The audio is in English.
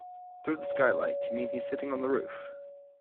Through the skylight? You mean he's sitting on the roof?